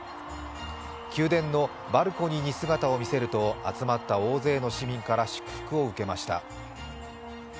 宮殿のバルコニーに姿を見せると集まった大勢の市民から祝福を受けました。